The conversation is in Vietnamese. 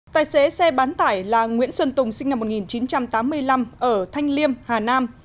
tài xế xe bán tải là nguyễn xuân tùng sinh năm một nghìn chín trăm tám mươi năm ở thanh liêm hà nam